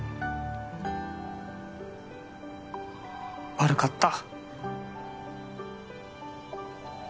悪かった。